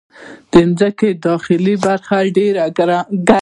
د مځکې داخلي برخه ډېره ګرمه ده.